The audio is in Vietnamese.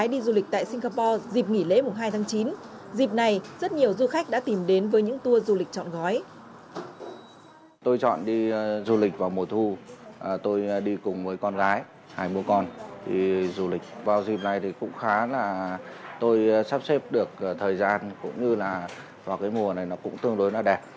dịp này rất nhiều du khách đã tìm đến với những tour du lịch trọn gói